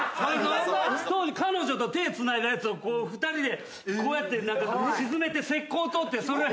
当時彼女と手つないだやつを２人でこうやって沈めて石こうとってそれ。